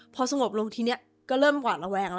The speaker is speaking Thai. พอสงบลงทีนี้ก็เริ่มหวานแววง